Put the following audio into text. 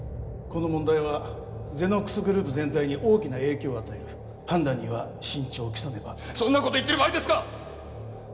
この問題はゼノックスグループ全体に大きな影響を与える判断には慎重を期さねばそんなこと言ってる場合ですか！